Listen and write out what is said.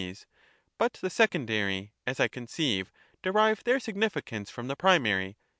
But the secondary, as I conceive, derive their signifi cance from the primary.